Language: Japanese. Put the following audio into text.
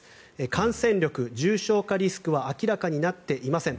感染力、重症化リスクは明らかになっていません。